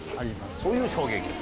そういう衝撃。